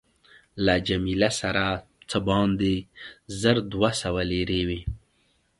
له جميله سره څه باندې زر دوه سوه لیرې وې.